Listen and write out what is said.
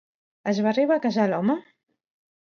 Es va arribar a casar l'home?